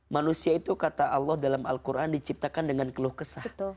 manusia itu kata allah dalam al quran diciptakan dengan keluh kesah